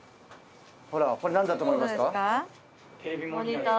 ほらこれ何だと思いますか？